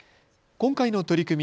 今回の取り組み。